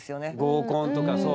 合コンとかそう。